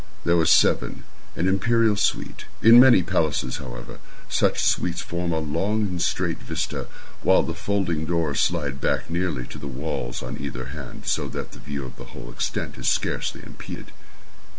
There were seven—an imperial suite. In many palaces, however, such suites form a long and straight vista, while the folding doors slide back nearly to the walls on either hand, so that the view of the whole extent is scarcely impeded.